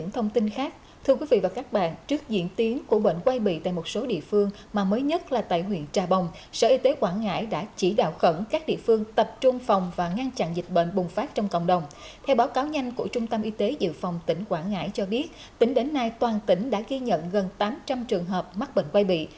tỉnh đến nai toàn tỉnh đã ghi nhận gần tám trăm linh trường hợp mắc bệnh quay bị